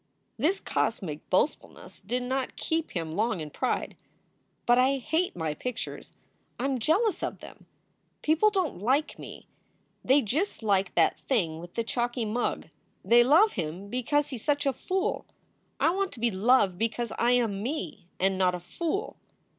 This cosmic boastfulness did not keep him long in pride. But I hate my pictures. I m jealous of them. People don t like me they just like that thing with the chalky mug. They love him because he s such a fool. I want to be loved because I am Me and not a fool.